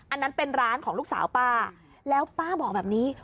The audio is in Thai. อันนั้นเป็นร้านของลูกสาวป้าแล้วป้าบอกแบบนี้